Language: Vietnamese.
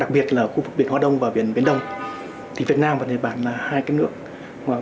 đặc biệt là khu vực biển đông thì không chỉ là vấn đề của việt nam mà nhật bản cũng là nước